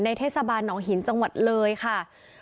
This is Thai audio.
เทศบาลหนองหินจังหวัดเลยค่ะ